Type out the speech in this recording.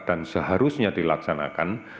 dan seharusnya dilaksanakan